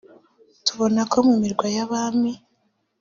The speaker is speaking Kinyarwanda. tubona ko mu mirwa y’abami